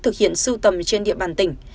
thực hiện sưu tầm trên địa bàn tỉnh